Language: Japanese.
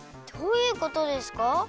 どういうことですか？